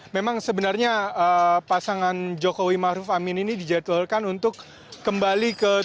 memang sebenarnya pasangan jokowi ma'ruf amin ini dijadwalkan untuk kembali ke tugu proklamasi